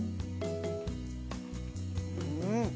うん。